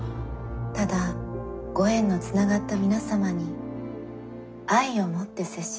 ただご縁のつながった皆様に愛を持って接しました。